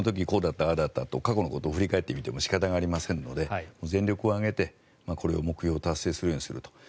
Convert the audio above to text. こうだったと過去のことを振り返っても仕方がありませんので全力を挙げて、これを目標を達成するようにすると。